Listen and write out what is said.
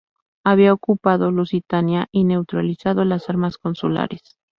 Había ocupado Lusitania y neutralizado las armas consulares.